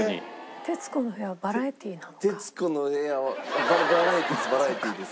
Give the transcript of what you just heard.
『徹子の部屋』はバラエティです